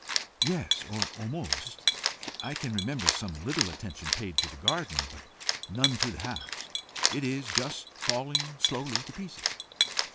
"Yes, or almost. I can remember some little attention paid to the garden, but none to the house. It is just falling slowly to pieces.